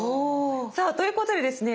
さあということでですね